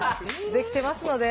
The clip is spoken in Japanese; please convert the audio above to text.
できてますので。